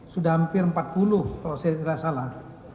sudah hampir empat puluh kalau saya tidak salah